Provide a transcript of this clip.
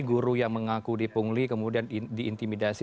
guru yang mengaku dipungli kemudian diintimidasi